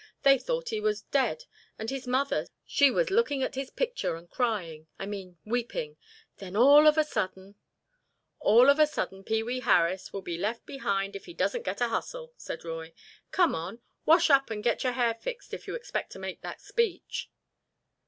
They thought he was dead and his mother she was looking at his picture and crying—I mean weeping—when all of a sudden——" "All of a sudden Pee wee Harris will be left behind if he doesn't get a hustle," said Roy. "Come on, wash up and get your hair fixed if you expect to make that speech."